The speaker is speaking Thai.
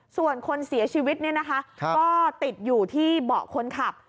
ส่วนคนเสียชีวิตเนี่ยนะคะก็ติดอยู่ที่เบาะคนขับ